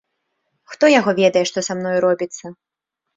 Хто яго ведае, што са мною робіцца.